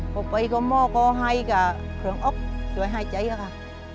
พอไปก็หมอก็ให้กับเครื่องออกช่วยหายใจค่ะ